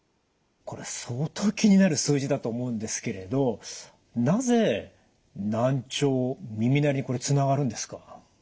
これ相当気になる数字だと思うんですけれどなぜ難聴耳鳴りにこれつながるんですか？